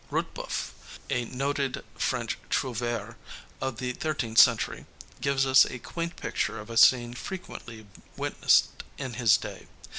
Ruteboeuf, a noted French trouvère of the thirteenth century, gives us a quaint picture of a scene frequently witnessed in his day.